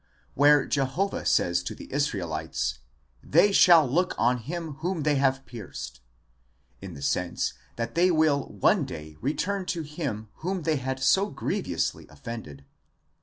where Jehovah says to the Israelites 227 WS NS DN 1°20) they shall look on him whom they have pierced, in the sense, that they will one day re turn to him whom they had so grievously offended.